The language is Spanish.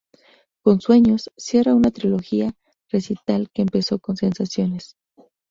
Con "Sueños" cierra una trilogía de recitales que empezó con "Sensaciones".